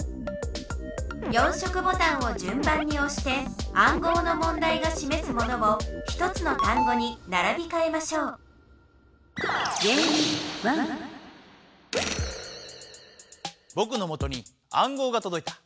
４色ボタンを順番におして暗号のもんだいがしめすものを１つの単語にならびかえましょうぼくのもとに暗号がとどいた。